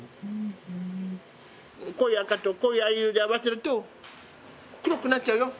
濃い赤と濃い藍色で合わせると黒くなっちゃうよ。